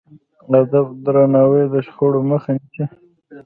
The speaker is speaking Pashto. ادب او درناوی د شخړو مخه نیسي.